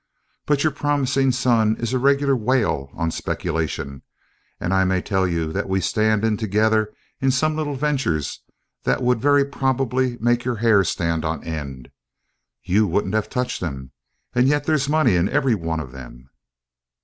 But your promising son is a regular whale on speculation, and I may tell you that we stand in together in some little ventures that would very probably make your hair stand on end you wouldn't have touched them. And yet there's money in every one of them."